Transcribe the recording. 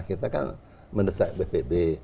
kita kan mendesak bpb